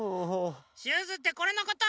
シューズってこれのこと？